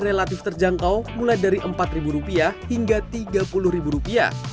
relatif terjangkau mulai dari rp empat hingga rp tiga puluh